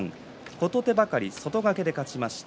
琴手計外掛けで勝ちました。